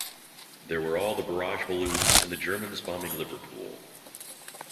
There were all the barrage balloons, and the Germans bombing Liverpool.